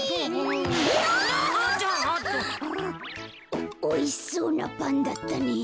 おおいしそうなパンだったね。